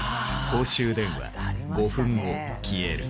公衆電話五分後消える。